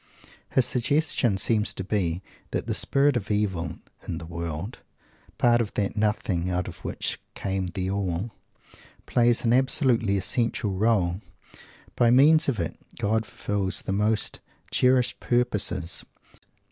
His suggestion seems to be that the spirit of Evil in the world "part of that Nothing out of which came the All" plays an absolutely essential role. "By means of it God fulfils his most cherished purposes."